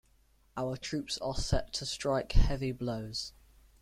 Our troops are set to strike heavy blows.